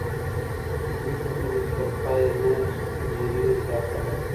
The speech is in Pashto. ځي په بدو کي تر پايه نه بېرېږي دا خلک